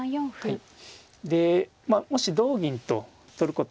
はい。